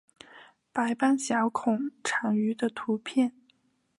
白斑小孔蟾鱼的图片